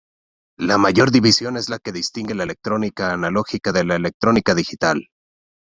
La mayor división es la que distingue la electrónica analógica de la electrónica digital.